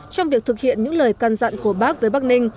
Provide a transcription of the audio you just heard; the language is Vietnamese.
trong việc thực hiện những lời can dặn của bắc với bắc ninh